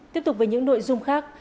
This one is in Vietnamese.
tiếp tục với những nội dung khác